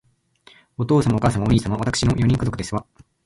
お父様、お母様、お兄様、わたくしの四人家族ですわ